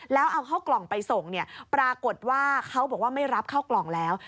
แล้วเอาเข้ากล่องไปส่งเนี่ยปรากฏว่าเขาบอกว่าไม่รับเข้ากล่องแล้ว